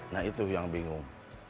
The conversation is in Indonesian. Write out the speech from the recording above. nah itu yang bingung